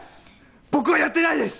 僕はやってないです！